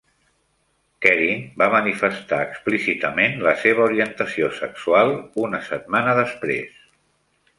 Koering va manifestar explícitament la seva orientació sexual una setmana després.